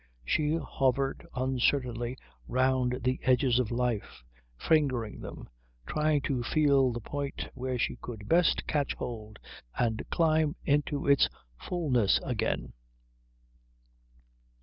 She hovered uncertainly round the edges of life, fingering them, trying to feel the point where she could best catch hold and climb into its fulness again.